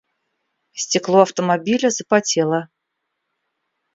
Стекло автомобиля запотело.